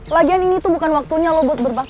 lagian ini tuh bukan waktunya lo buat berbahasa